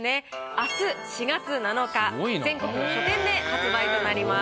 明日４月７日全国の書店で発売となります。